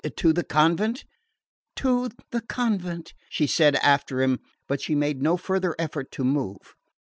To the convent?" "To the convent," she said after him; but she made no farther effort to move.